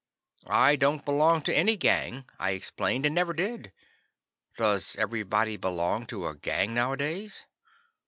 "I don't belong to any gang," I explained, "and never did. Does everybody belong to a gang nowadays?"